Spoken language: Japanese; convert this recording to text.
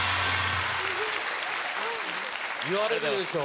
言われるでしょ。